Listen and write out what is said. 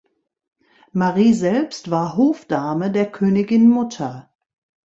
Marie selbst war Hofdame der Königinmutter.